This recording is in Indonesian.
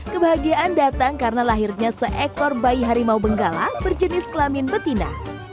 kebahagiaan datang karena lahirnya seekor bayi harimau benggala berjenis kelamin betina